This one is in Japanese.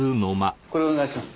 これをお願いします。